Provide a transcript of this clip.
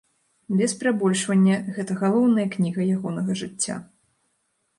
Без перабольшвання, гэта галоўная кніга ягонага жыцця.